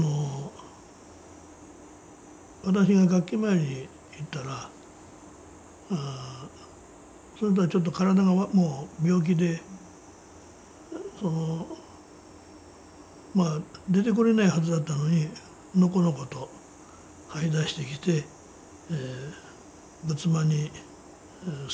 私が月忌参りに行ったらその人はちょっと体がもう病気で出てこれないはずだったのにのこのことはい出してきて仏間に座ったんです。